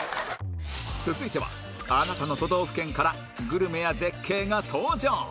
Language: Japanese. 続いてはあなたの都道府県からグルメや絶景が登場